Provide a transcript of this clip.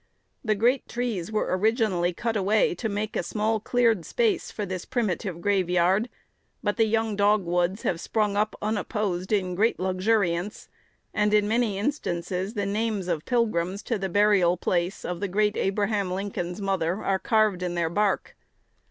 The great trees were originally cut away to make a small cleared space for this primitive graveyard; but the young dogwoods have sprung up unopposed in great luxuriance, and in many instances the names of pilgrims to the burial place of the great Abraham Lincoln's mother are carved in their bark.